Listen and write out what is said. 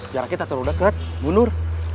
jaraknya tak terlalu dekat mundur